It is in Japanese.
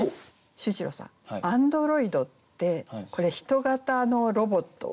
秀一郎さん「アンドロイド」ってこれ人型のロボットですよね。